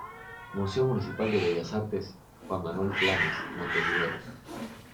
Museo Municipal de Bellas Artes Juan Manuel Blanes, Montevideo.